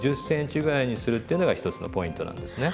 １０ｃｍぐらいにするっていうのが一つのポイントなんですね。